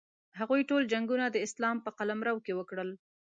هغوی ټول جنګونه د اسلام په قلمرو کې وکړل.